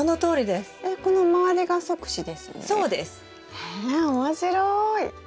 へえ面白い。